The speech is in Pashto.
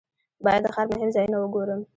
باید د ښار مهم ځایونه وګورم.